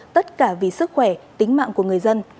tất cả vì sức khỏe tính mạng của người dân